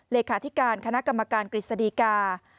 เลขาธิการคณะกรรมการกฤษฎีกา